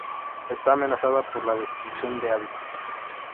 Está amenazada por la destrucción de hábitat.